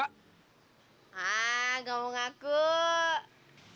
ah gak mau ngaku